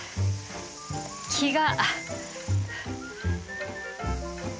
気が。